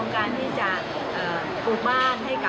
ลุงเอี่ยมปฏิเสธความช่วยเหลือหลายด้านเลยค่ะ